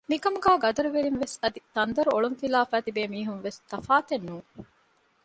މިކަމުގައި ގަދަރުވެރިން ވެސް އަދި ތަންދޮރު އޮޅުން ފިލާފައި ތިބޭ މީހުން ވެސް ތަފާތެއް ނޫން